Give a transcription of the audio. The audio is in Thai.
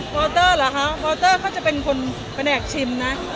วาวเตอร์เหรอครับวาวเตอร์เขาจะเป็นคนเป็นแอกชิมนะ